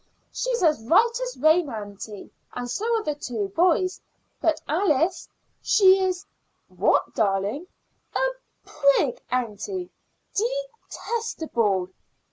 "She's as right as rain, aunty; and so are the two boys. But Alice she is " "What, darling?" "A prig, aunty. Detestable!"